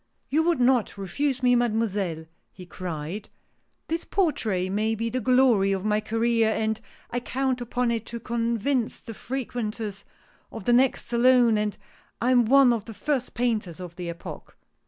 " You would not refuse me. Mademoiselle !" he cried. This portrait may be the glory of my career, and I count upon it to convince the frequenters of the next Salon that I am one of the first painters of the epoch."